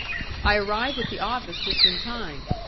I arrived at the office just in time.